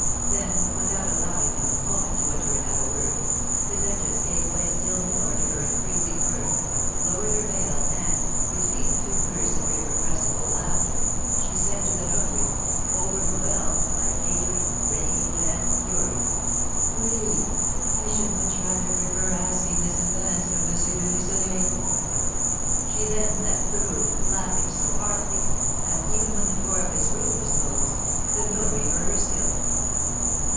Then, without allowing him a moment to utter another word, the duchess gave way still more to her increasing mirth, lowered her veil, and, between two bursts of irrepressible laughter, she said to the notary, overwhelmed by hatred, rage, and fury: "Really, I should much rather prefer asking this advance from M. de Lucenay." She then left the room, laughing so heartily that, even when the door of his room was closed, the notary heard her still.